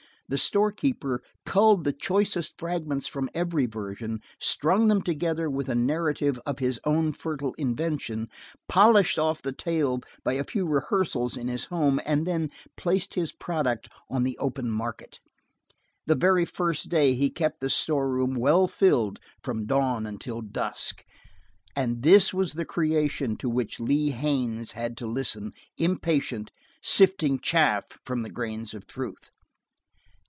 The store keeper culled the choicest fragments from every version, strung them together with a narrative of his own fertile invention, polished off the tale by a few rehearsals in his home, and then placed his product on the open market. The very first day he kept the store room well filled from dawn until dark. And this was the creation to which Lee Haines had to listen, impatient, sifting the chaff from the grains of truth.